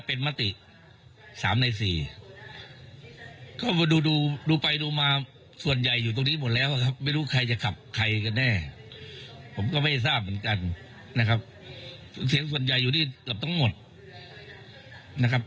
ผมก็ไม่ทราบเหมือนกันนะครับเสียงส่วนใหญ่อยู่ที่เกือบตั้งหมดนะครับ